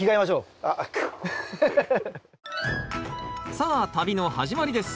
さあ旅の始まりです！